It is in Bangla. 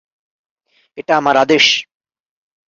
এটা আমার আদেশ!